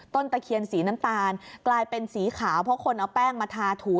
ตะเคียนสีน้ำตาลกลายเป็นสีขาวเพราะคนเอาแป้งมาทาถู